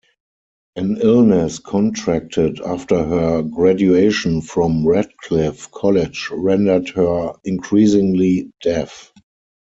An illness contracted after her graduation from Radcliffe College rendered her increasingly deaf.